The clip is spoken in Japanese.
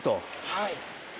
はい。